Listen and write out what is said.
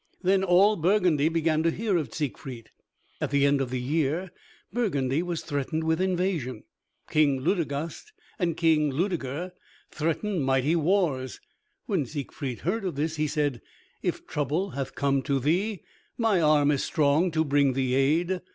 Then all Burgundy began to hear of Siegfried. At the end of the year Burgundy was threatened with invasion. King Ludegast and King Ludeger threatened mighty wars. When Siegfried heard of this he said, "If trouble hath come to thee, my arm is strong to bring thee aid.